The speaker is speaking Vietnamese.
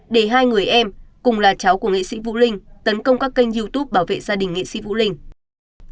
để hai người em cùng là cháu của nghệ sĩ vũ linh tấn công các kênh youtube bảo vệ gia đình nghệ sĩ vũ linh